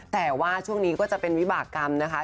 แต่ว่าช่วงนี้ก็จะเป็นวิบากรรมนะคะ